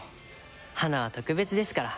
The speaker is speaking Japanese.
花は特別ですから。